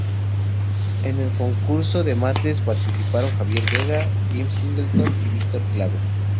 En el concurso de mates participaron Javier Vega, James Singleton y Víctor Claver.